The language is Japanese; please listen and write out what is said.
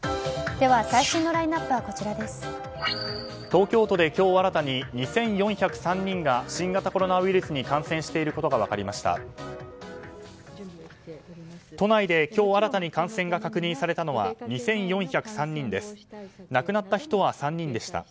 東京都で今日新たに２４０３人が新型コロナウイルスに感染していることが分かりました。